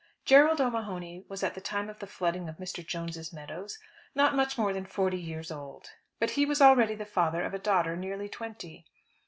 Gerald O'Mahony was at the time of the flooding of Mr. Jones's meadows not much more than forty years old. But he was already the father of a daughter nearly twenty.